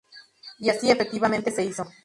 Y así efectivamente se hizo.